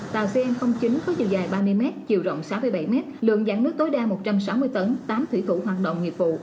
tàu cn chín có chiều dài ba mươi m chiều rộng sáu mươi bảy m lượng gián nước tối đa một trăm sáu mươi tấn tám thủy thủ hoạt động nghiệp vụ